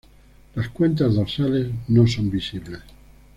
Las cuentas dorsales no son visibles.